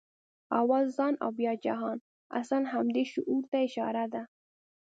«اول ځان او بیا جهان» اصلاً همدې شعور ته اشاره ده.